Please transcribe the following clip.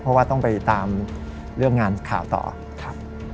เพราะว่าต้องไปตามเรื่องงานข่าวต่อครับ